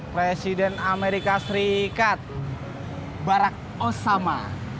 presiden amerika serikat barack osama